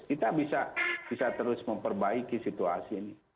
kita bisa terus memperbaiki situasi ini